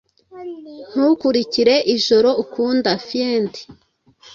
ntukurikire ijoro, ukunda fiend